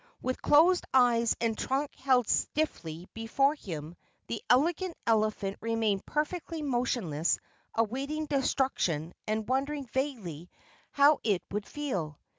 With closed eyes and trunk held stiffly before him, the Elegant Elephant remained perfectly motionless awaiting destruction and wondering vaguely how it would feel.